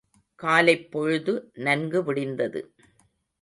காலைப் பொழுது நன்கு விடிந்தது.